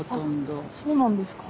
あっそうなんですか。